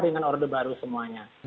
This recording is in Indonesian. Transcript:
dengan orde baru semuanya